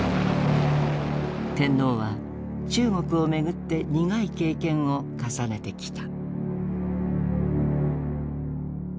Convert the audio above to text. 天皇は中国をめぐって苦い経験を重ねてきた。